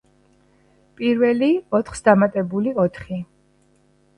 პირველი, ოთხს დამატებული ოთხი.